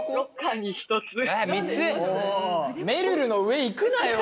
めるるの上いくなよ！